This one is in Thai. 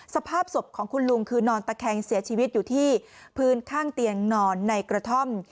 สภาพศพของคุณลุงคือนอนตะแคงเสียชีวิตอยู่ที่พื้นข้างเตียงนอนในกระท่อม